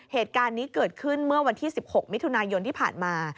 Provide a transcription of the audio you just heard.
เหตุการณ์นี้เกิดขึ้นเมื่อวันที่๑๖มิถุนายนที่ผ่านมา